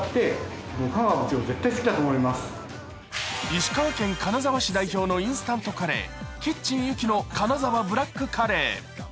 石川県金沢市代表のインスタントカレーキッチンユキの金沢ブラックカレー。